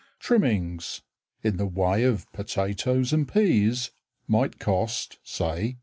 Trimmings In the way of potatoes and peas might cost, say, 6d.